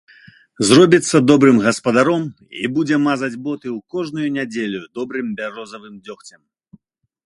Зробіцца добрым гаспадаром і будзе мазаць боты ў кожную нядзелю добрым бярозавым дзёгцем.